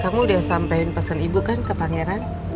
kamu udah sampein pesan ibu kan ke pangeran